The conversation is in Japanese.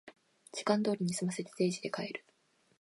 時間通りに済ませて定時で帰る